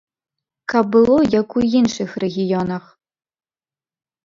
Каб было, як у іншых рэгіёнах.